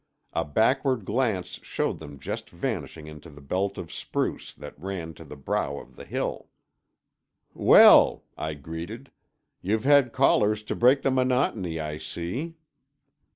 A backward glance showed them just vanishing into the belt of spruce that ran to the brow of the hill. "Well," I greeted, "you've had callers to break the monotony, I see."